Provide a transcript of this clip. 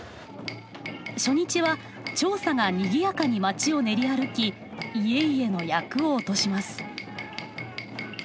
初日はちょうさがにぎやかに町を練り歩き家々の厄を落とします。